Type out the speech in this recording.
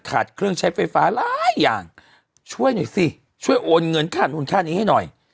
เครื่องใช้ไฟฟ้าหลายอย่างช่วยหน่อยสิช่วยโอนเงินค่านู้นค่านี้ให้หน่อย